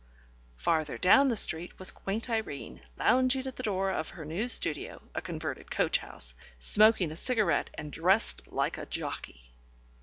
Farther down the street was quaint Irene lounging at the door of her new studio (a converted coach house), smoking a cigarette and dressed like a jockey.